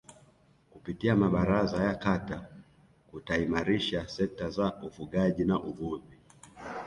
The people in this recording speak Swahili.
kupitia mabaraza ya Kata kutaimarisha sekta za ufugaji na uvuvi